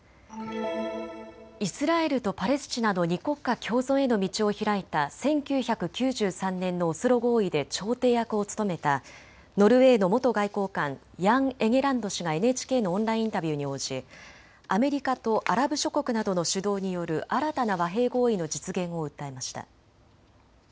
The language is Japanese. イスラエルとパレスチナの二国家共存への道を開いた１９９３年のオスロ合意で調停役を務めたノルウェーの元外交官、ヤン・エゲランド氏がＮＨＫのオンラインインタビューに応じアメリカとアラブ諸国などの主導による新たな和平合意の実現を訴えました。